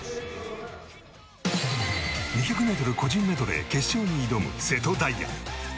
２００ｍ個人メドレー決勝に挑む瀬戸大也。